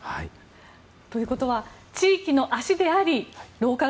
ということは地域の足でありローカル